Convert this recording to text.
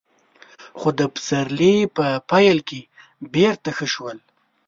خو د پسرلي په پيل کې بېرته ښه شول.